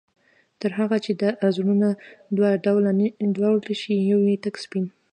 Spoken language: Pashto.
تر هغه چي دا زړونه دوه ډوله شي، يو ئې تك سپين